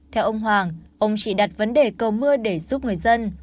theo ông hoàng ông chỉ đặt vấn đề cầu mưa để giúp người dân